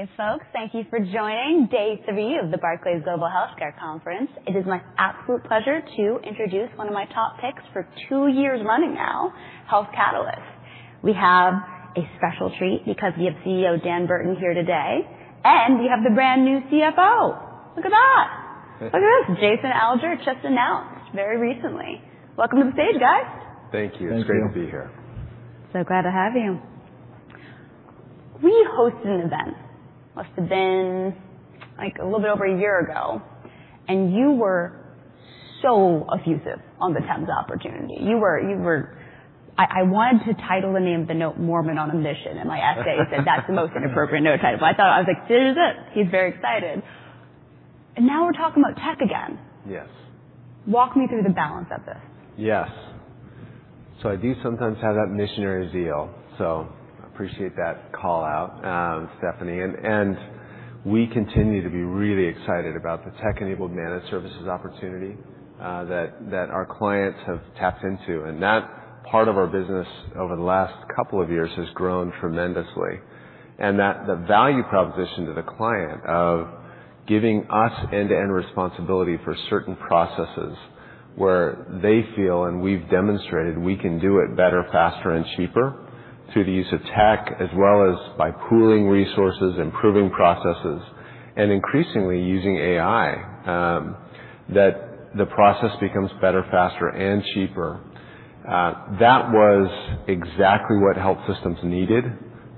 Hey folks, thank you for joining day three of the Barclays Global Healthcare Conference. It is my absolute pleasure to introduce one of my top picks for two years running now, Health Catalyst. We have a special treat because we have CEO Dan Burton here today, and we have the brand-new CFO. Look at that. Look at this, Jason Alger just announced very recently. Welcome to the stage, guys. Thank you. It's great to be here. Thank you. So glad to have you. We hosted an event, must have been a little bit over a year ago, and you were so effusive on the TEMS opportunity. I wanted to title the name of the note "Mormon on a Mission," and my essay said that's the most inappropriate note title. I was like, "There's it. He's very excited." And now we're talking about tech again. Walk me through the balance of this. Yes. So I do sometimes have that missionary zeal, so I appreciate that callout, Stephanie. We continue to be really excited about the tech-enabled managed services opportunity that our clients have tapped into. That part of our business over the last couple of years has grown tremendously. The value proposition to the client of giving us end-to-end responsibility for certain processes where they feel, and we've demonstrated, we can do it better, faster, and cheaper through the use of tech, as well as by pooling resources, improving processes, and increasingly using AI, that the process becomes better, faster, and cheaper. That was exactly what health systems needed,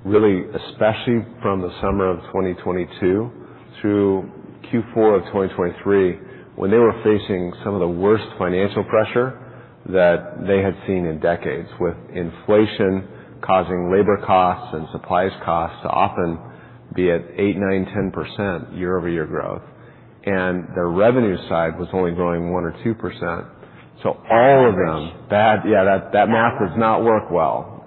really, especially from the summer of 2022 through Q4 of 2023, when they were facing some of the worst financial pressure that they had seen in decades, with inflation causing labor costs and supplies costs to often be at 8%, 9%, 10% year-over-year growth. And their revenue side was only growing 1% or 2%. So all of them. That's bad. Yeah, that math does not work well.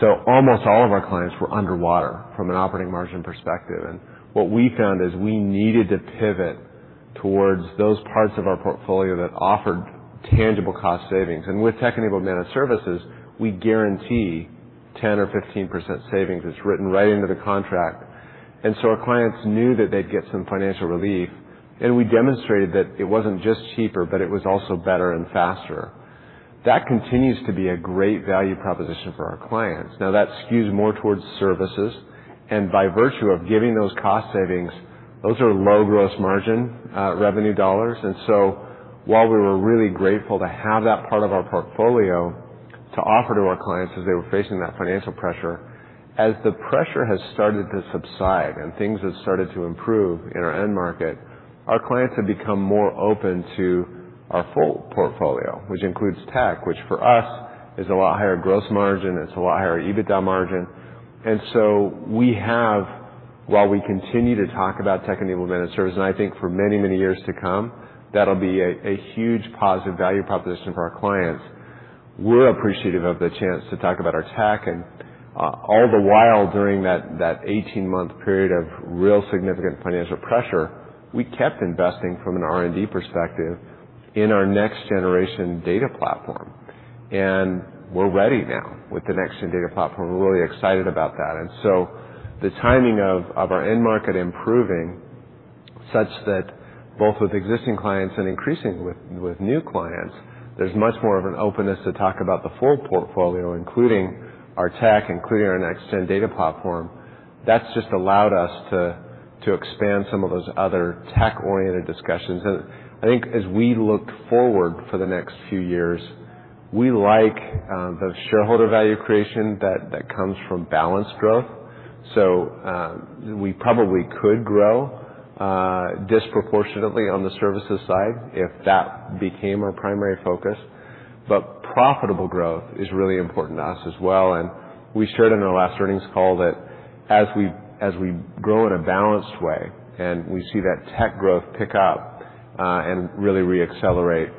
So almost all of our clients were underwater from an operating margin perspective. And what we found is we needed to pivot towards those parts of our portfolio that offered tangible cost savings. And with tech-enabled managed services, we guarantee 10% or 15% savings. It's written right into the contract. And so our clients knew that they'd get some financial relief. And we demonstrated that it wasn't just cheaper, but it was also better and faster. That continues to be a great value proposition for our clients. Now, that skews more towards services. And by virtue of giving those cost savings, those are low gross margin revenue dollars. And so while we were really grateful to have that part of our portfolio to offer to our clients as they were facing that financial pressure, as the pressure has started to subside and things have started to improve in our end market, our clients have become more open to our full portfolio, which includes tech, which for us is a lot higher gross margin. It's a lot higher EBITDA margin. And so we have, while we continue to talk about Tech-Enabled Managed Services, and I think for many, many years to come, that'll be a huge positive value proposition for our clients. We're appreciative of the chance to talk about our tech. And all the while during that 18-month period of real significant financial pressure, we kept investing from an R&D perspective in our next-generation data platform. And we're ready now with the next-gen data platform. We're really excited about that. So the timing of our end market improving such that both with existing clients and increasingly with new clients, there's much more of an openness to talk about the full portfolio, including our tech, including our Next-Gen Data Platform, that's just allowed us to expand some of those other tech-oriented discussions. I think as we look forward for the next few years, we like the shareholder value creation that comes from balanced growth. We probably could grow disproportionately on the services side if that became our primary focus. But profitable growth is really important to us as well. We shared in our last earnings call that as we grow in a balanced way and we see that tech growth pick up and really reaccelerate,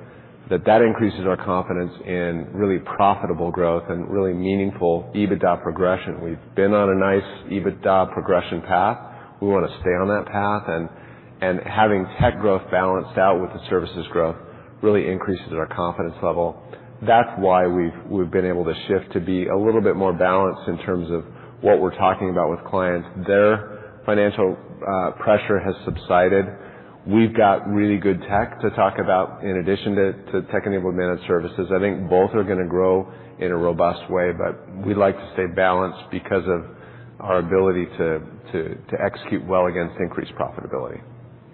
that that increases our confidence in really profitable growth and really meaningful EBITDA progression. We've been on a nice EBITDA progression path. We want to stay on that path. Having tech growth balanced out with the services growth really increases our confidence level. That's why we've been able to shift to be a little bit more balanced in terms of what we're talking about with clients. Their financial pressure has subsided. We've got really good tech to talk about in addition to tech-enabled managed services. I think both are going to grow in a robust way, but we'd like to stay balanced because of our ability to execute well against increased profitability.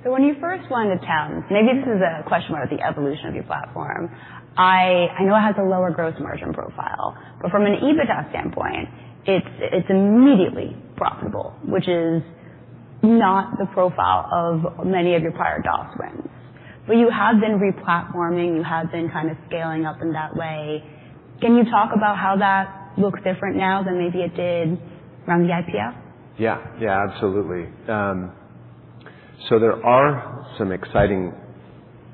When you first went to TEMS, maybe this is a question about the evolution of your platform. I know it has a lower gross margin profile, but from an EBITDA standpoint, it's immediately profitable, which is not the profile of many of your prior DOS wins. But you have been replatforming. You have been kind of scaling up in that way. Can you talk about how that looks different now than maybe it did around the IPO? Yeah. Yeah, absolutely. So there are some exciting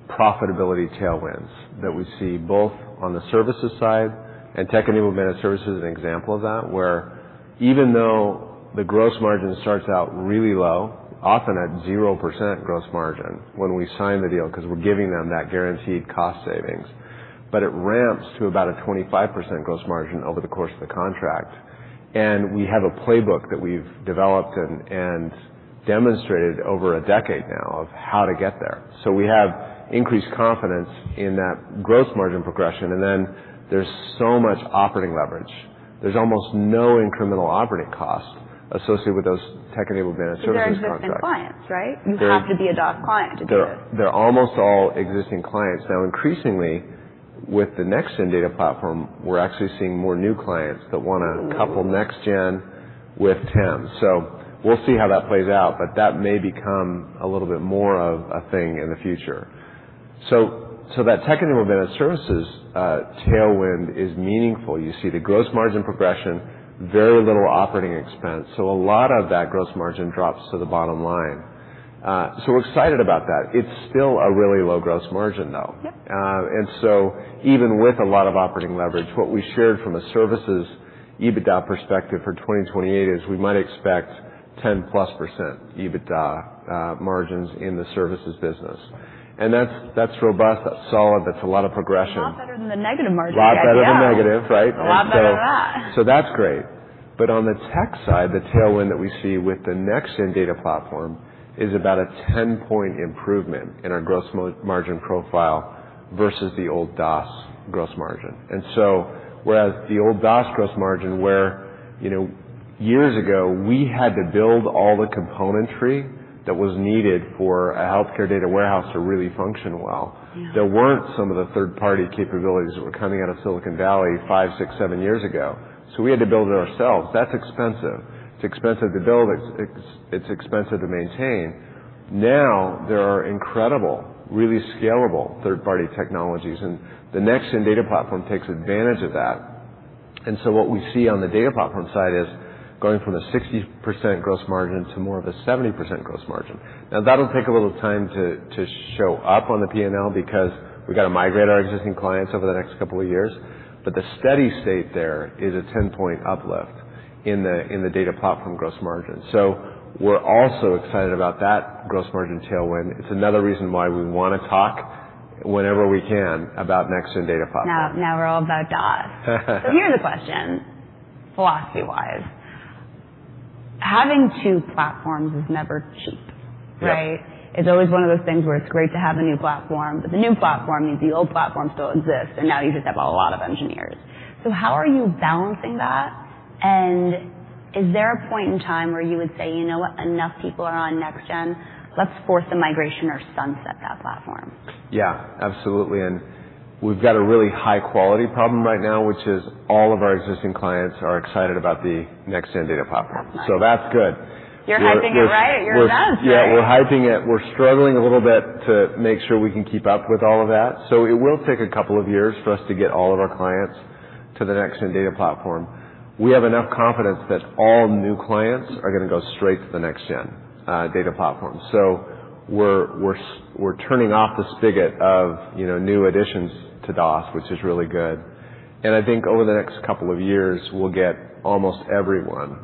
profitability tailwinds that we see both on the services side. And tech-enabled managed services is an example of that, where even though the gross margin starts out really low, often at 0% gross margin when we sign the deal because we're giving them that guaranteed cost savings, but it ramps to about a 25% gross margin over the course of the contract. And we have a playbook that we've developed and demonstrated over a decade now of how to get there. So we have increased confidence in that gross margin progression. And then there's so much operating leverage. There's almost no incremental operating cost associated with those tech-enabled managed services contracts. They're existing clients, right? You have to be a DOS client to do this. They're almost all existing clients. Now, increasingly, with the Next-Gen Data Platform, we're actually seeing more new clients that want to couple Next-Gen with TEMS. So we'll see how that plays out, but that may become a little bit more of a thing in the future. So that Tech-Enabled Managed Services tailwind is meaningful. You see the gross margin progression, very little operating expense. So a lot of that gross margin drops to the bottom line. So we're excited about that. It's still a really low gross margin, though. And so even with a lot of operating leverage, what we shared from a services EBITDA perspective for 2028 is we might expect 10%+ EBITDA margins in the services business. And that's robust. That's solid. That's a lot of progression. A lot better than the negative margin, I guess. A lot better than negative, right? A lot better than that. So that's great. But on the tech side, the tailwind that we see with the next-gen data platform is about a 10-point improvement in our gross margin profile versus the old DOS gross margin. And so whereas the old DOS gross margin, where years ago we had to build all the componentry that was needed for a healthcare data warehouse to really function well, there weren't some of the third-party capabilities that were coming out of Silicon Valley 5, 6, 7 years ago. So we had to build it ourselves. That's expensive. It's expensive to build. It's expensive to maintain. Now, there are incredible, really scalable third-party technologies, and the next-gen data platform takes advantage of that. And so what we see on the data platform side is going from a 60% gross margin to more of a 70% gross margin. Now, that'll take a little time to show up on the P&L because we got to migrate our existing clients over the next couple of years. But the steady state there is a 10-point uplift in the data platform gross margin. So we're also excited about that gross margin tailwind. It's another reason why we want to talk whenever we can about next-gen data platforms. Now we're all about DOS. So here's a question, philosophy-wise. Having two platforms is never cheap, right? It's always one of those things where it's great to have a new platform, but the new platform means the old platform still exists, and now you just have a lot of engineers. So how are you balancing that? And is there a point in time where you would say, "You know what? Enough people are on next-gen. Let's force a migration or sunset that platform"? Yeah, absolutely. We've got a really high-quality problem right now, which is all of our existing clients are excited about the Next-Gen Data Platform. That's good. You're hyping it right at your events, right? Yeah, we're hyping it. We're struggling a little bit to make sure we can keep up with all of that. So it will take a couple of years for us to get all of our clients to the next-gen data platform. We have enough confidence that all new clients are going to go straight to the next-gen data platform. So we're turning off the spigot of new additions to DOS, which is really good. And I think over the next couple of years, we'll get almost everyone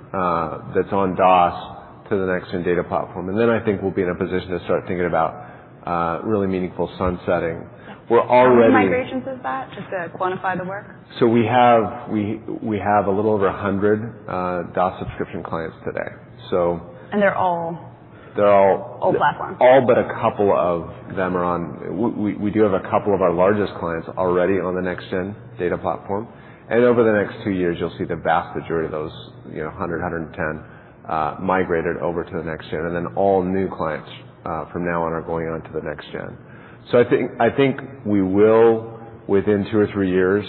that's on DOS to the next-gen data platform. And then I think we'll be in a position to start thinking about really meaningful sunsetting. We're already. How many migrations is that, just to quantify the work? We have a little over 100 DOS subscription clients today, so. They're all old platforms? All but a couple of them are on. We do have a couple of our largest clients already on the Next-Gen Data Platform. And over the next two years, you'll see the vast majority of those 100-110 migrated over to the Next-Gen. And then all new clients from now on are going on to the Next-Gen. So I think we will, within two or three years,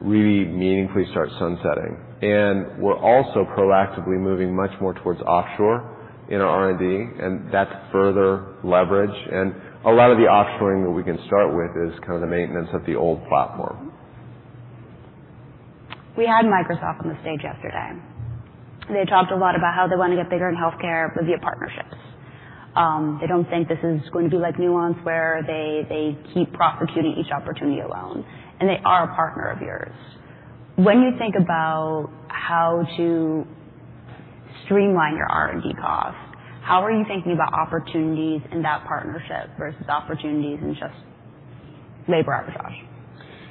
really meaningfully start sunsetting. And we're also proactively moving much more towards offshore in our R&D, and that's further leverage. And a lot of the offshoring that we can start with is kind of the maintenance of the old platform. We had Microsoft on the stage yesterday. They talked a lot about how they want to get bigger in healthcare via partnerships. They don't think this is going to be like Nuance, where they keep prosecuting each opportunity alone. And they are a partner of yours. When you think about how to streamline your R&D cost, how are you thinking about opportunities in that partnership versus opportunities in just labor arbitrage?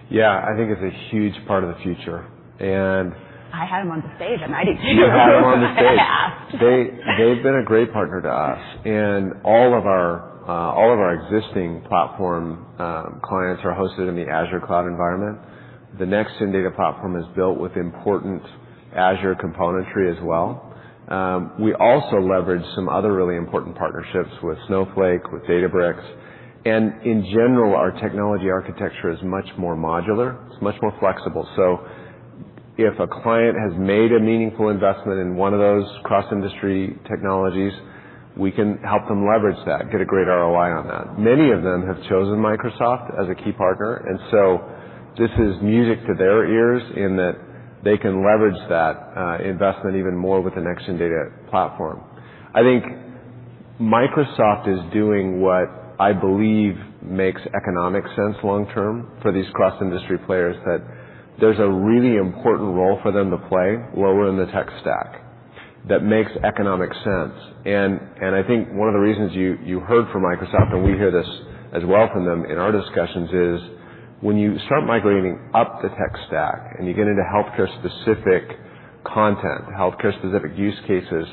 Yeah, I think it's a huge part of the future. I had them on the stage, and I didn't see them. You had them on the stage. They've been a great partner to us. And all of our existing platform clients are hosted in the Azure Cloud environment. The next-gen data platform is built with important Azure componentry as well. We also leverage some other really important partnerships with Snowflake, with Databricks. And in general, our technology architecture is much more modular. It's much more flexible. So if a client has made a meaningful investment in one of those cross-industry technologies, we can help them leverage that, get a great ROI on that. Many of them have chosen Microsoft as a key partner. And so this is music to their ears in that they can leverage that investment even more with the next-gen data platform. I think Microsoft is doing what I believe makes economic sense long-term for these cross-industry players, that there's a really important role for them to play lower in the tech stack that makes economic sense. And I think one of the reasons you heard from Microsoft, and we hear this as well from them in our discussions, is when you start migrating up the tech stack and you get into healthcare-specific content, healthcare-specific use cases,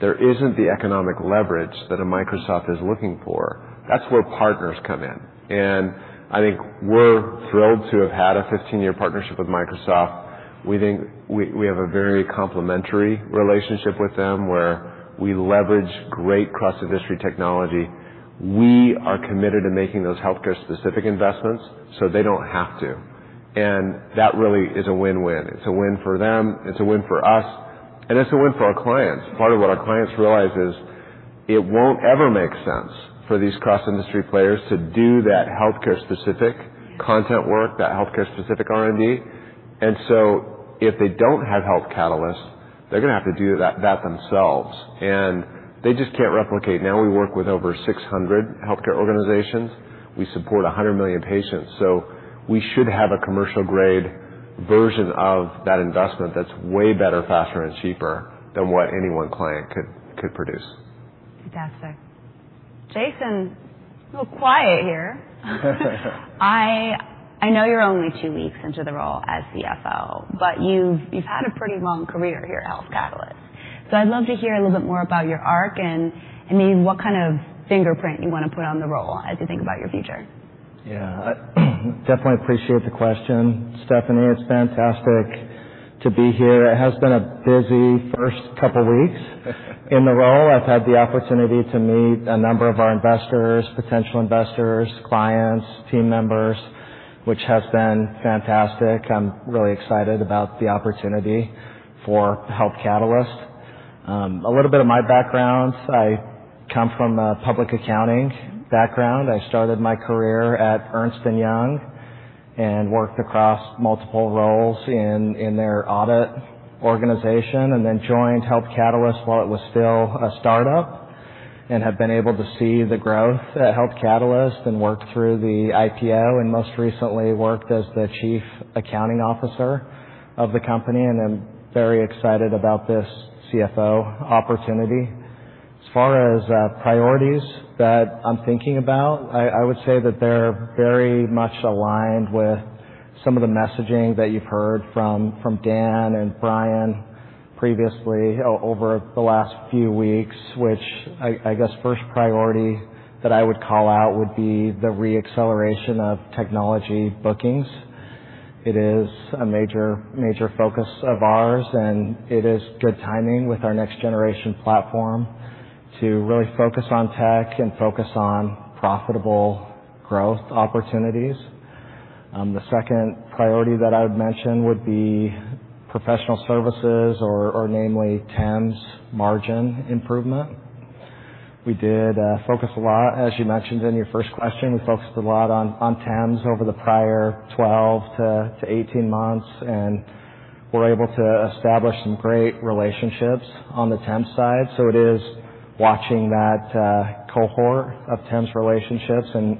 there isn't the economic leverage that a Microsoft is looking for. That's where partners come in. And I think we're thrilled to have had a 15-year partnership with Microsoft. We think we have a very complementary relationship with them, where we leverage great cross-industry technology. We are committed to making those healthcare-specific investments so they don't have to. And that really is a win-win. It's a win for them. It's a win for us. It's a win for our clients. Part of what our clients realize is it won't ever make sense for these cross-industry players to do that healthcare-specific content work, that healthcare-specific R&D. So if they don't have Health Catalyst, they're going to have to do that themselves. They just can't replicate. Now we work with over 600 healthcare organizations. We support 100 million patients. We should have a commercial-grade version of that investment that's way better, faster, and cheaper than what any one client could produce. Fantastic. Jason, a little quiet here. I know you're only two weeks into the role as CFO, but you've had a pretty long career here at Health Catalyst. So I'd love to hear a little bit more about your arc and maybe what kind of fingerprint you want to put on the role as you think about your future. Yeah, definitely appreciate the question, Stephanie. It's fantastic to be here. It has been a busy first couple of weeks in the role. I've had the opportunity to meet a number of our investors, potential investors, clients, team members, which has been fantastic. I'm really excited about the opportunity for Health Catalyst. A little bit of my background: I come from a public accounting background. I started my career at Ernst & Young and worked across multiple roles in their audit organization and then joined Health Catalyst while it was still a startup and have been able to see the growth at Health Catalyst and worked through the IPO and most recently worked as the Chief Accounting Officer of the company. I'm very excited about this CFO opportunity. As far as priorities that I'm thinking about, I would say that they're very much aligned with some of the messaging that you've heard from Dan and Bryan previously over the last few weeks, which I guess first priority that I would call out would be the reacceleration of technology bookings. It is a major, major focus of ours, and it is good timing with our next-generation platform to really focus on tech and focus on profitable growth opportunities. The second priority that I would mention would be professional services or namely TEMS margin improvement. We did focus a lot, as you mentioned in your first question. We focused a lot on TEMS over the prior 12-18 months, and we're able to establish some great relationships on the TEMS side. So, it is watching that cohort of TEMS relationships and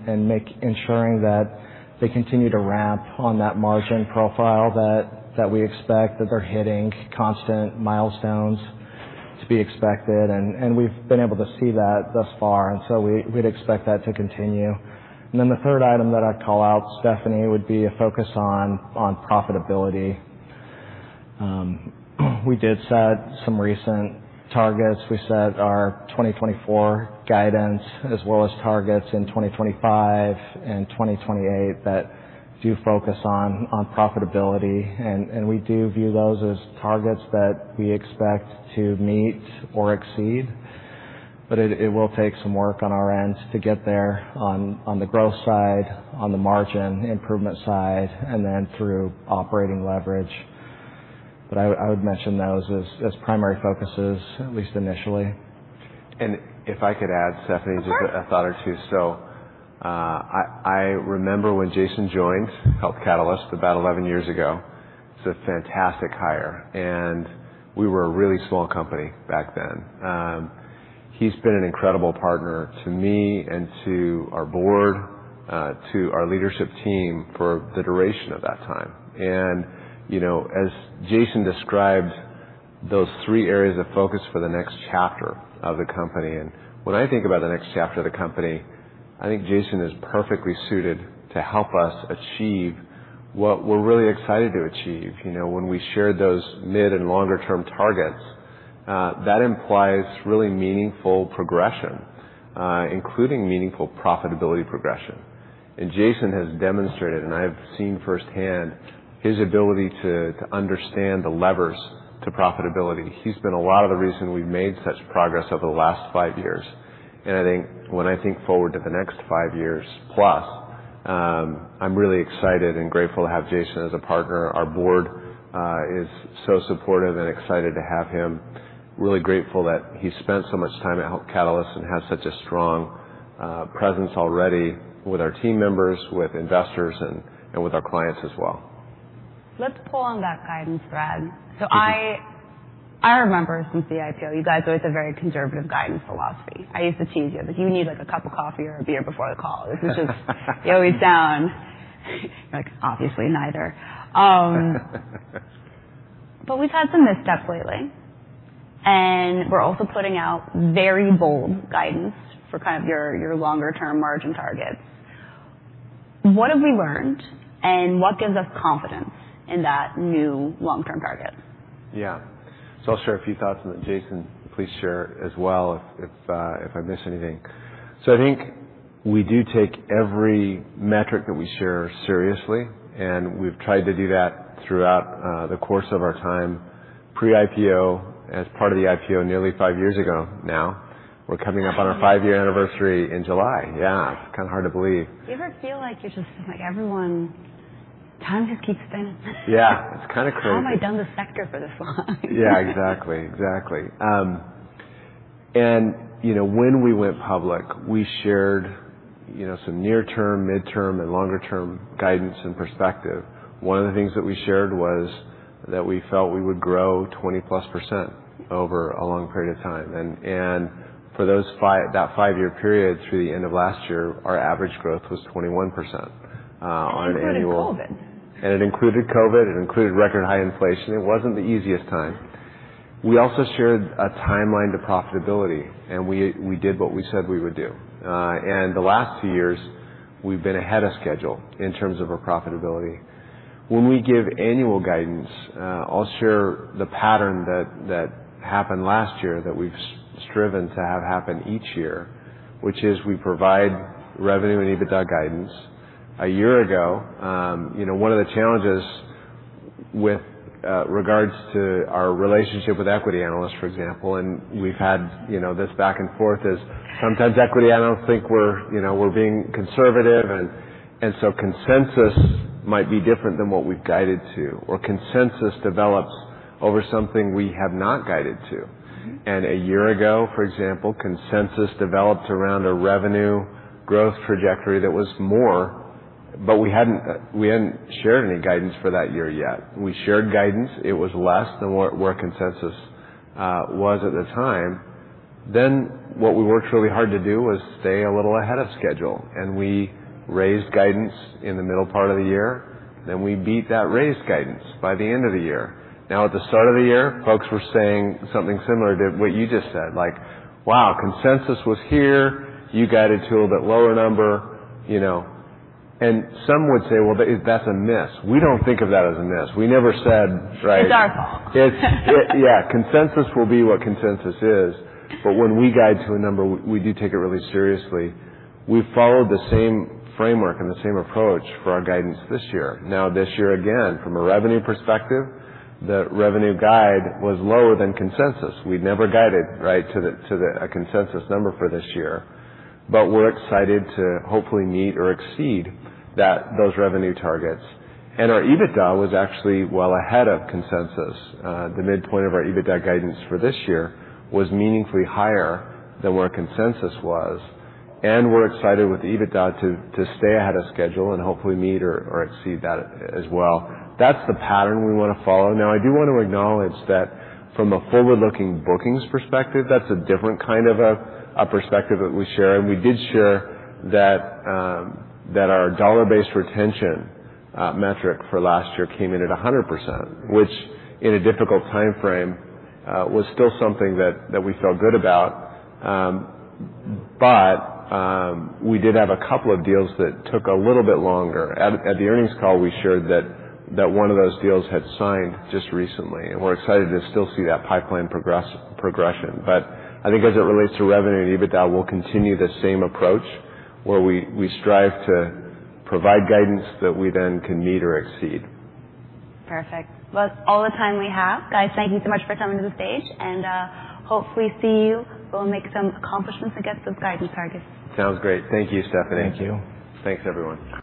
ensuring that they continue to ramp on that margin profile that we expect, that they're hitting constant milestones to be expected. And we've been able to see that thus far, and so we'd expect that to continue. And then the third item that I'd call out, Stephanie, would be a focus on profitability. We did set some recent targets. We set our 2024 guidance as well as targets in 2025 and 2028 that do focus on profitability. And we do view those as targets that we expect to meet or exceed. But it will take some work on our end to get there on the growth side, on the margin improvement side, and then through operating leverage. But I would mention those as primary focuses, at least initially. And if I could add, Stephanie, just a thought or two. So I remember when Jason joined Health Catalyst about 11 years ago. It's a fantastic hire, and we were a really small company back then. He's been an incredible partner to me and to our board, to our leadership team for the duration of that time. And as Jason described those three areas of focus for the next chapter of the company and when I think about the next chapter of the company, I think Jason is perfectly suited to help us achieve what we're really excited to achieve. When we shared those mid and longer-term targets, that implies really meaningful progression, including meaningful profitability progression. And Jason has demonstrated, and I have seen firsthand, his ability to understand the levers to profitability. He's been a lot of the reason we've made such progress over the last five years. When I think forward to the next 5+ years, I'm really excited and grateful to have Jason as a partner. Our board is so supportive and excited to have him. Really grateful that he spent so much time at Health Catalyst and has such a strong presence already with our team members, with investors, and with our clients as well. Let's pull on that guidance thread. So I remember since the IPO, you guys always have very conservative guidance philosophy. I used to tease you. I was like, "You need a cup of coffee or a beer before the call." This is just you always sound you're like, "Obviously, neither." But we've had some missteps lately, and we're also putting out very bold guidance for kind of your longer-term margin targets. What have we learned, and what gives us confidence in that new long-term target? Yeah. So I'll share a few thoughts that Jason please share as well if I miss anything. So I think we do take every metric that we share seriously, and we've tried to do that throughout the course of our time. Pre-IPO, as part of the IPO nearly 5 years ago now, we're coming up on our 5-year anniversary in July. Yeah, it's kind of hard to believe. Do you ever feel like you're just like, "Everyone, time just keeps spinning"? Yeah, it's kind of crazy. How have I done the sector for this long? Yeah, exactly, exactly. When we went public, we shared some near-term, mid-term, and longer-term guidance and perspective. One of the things that we shared was that we felt we would grow 20%+ over a long period of time. For that five-year period through the end of last year, our average growth was 21% on an annual basis. It included COVID. It included COVID. It included record high inflation. It wasn't the easiest time. We also shared a timeline to profitability, and we did what we said we would do. The last two years, we've been ahead of schedule in terms of our profitability. When we give annual guidance, I'll share the pattern that happened last year that we've striven to have happen each year, which is we provide revenue and EBITDA guidance. A year ago, one of the challenges with regards to our relationship with equity analysts, for example, and we've had this back and forth, is sometimes equity analysts think we're being conservative, and so consensus might be different than what we've guided to, or consensus develops over something we have not guided to. A year ago, for example, consensus developed around a revenue growth trajectory that was more, but we hadn't shared any guidance for that year yet. We shared guidance. It was less than where consensus was at the time. Then what we worked really hard to do was stay a little ahead of schedule. And we raised guidance in the middle part of the year, and we beat that raised guidance by the end of the year. Now, at the start of the year, folks were saying something similar to what you just said, like, "Wow, consensus was here. You guided to a little bit lower number." And some would say, "Well, that's a miss." We don't think of that as a miss. We never said, right? It's our fault. Yeah, consensus will be what consensus is. But when we guide to a number, we do take it really seriously. We followed the same framework and the same approach for our guidance this year. Now, this year again, from a revenue perspective, the revenue guide was lower than consensus. We never guided, right, to a consensus number for this year. But we're excited to hopefully meet or exceed those revenue targets. And our EBITDA was actually well ahead of consensus. The midpoint of our EBITDA guidance for this year was meaningfully higher than where consensus was. And we're excited with the EBITDA to stay ahead of schedule and hopefully meet or exceed that as well. That's the pattern we want to follow. Now, I do want to acknowledge that from a forward-looking bookings perspective, that's a different kind of a perspective that we share. We did share that our Dollar-Based Retention metric for last year came in at 100%, which in a difficult time frame was still something that we felt good about. But we did have a couple of deals that took a little bit longer. At the earnings call, we shared that one of those deals had signed just recently, and we're excited to still see that pipeline progression. But I think as it relates to revenue and EBITDA, we'll continue the same approach where we strive to provide guidance that we then can meet or exceed. Perfect. Well, that's all the time we have. Guys, thank you so much for coming to the stage, and hopefully see you. We'll make some accomplishments against those guidance targets. Sounds great. Thank you, Stephanie. Thank you. Thanks, everyone.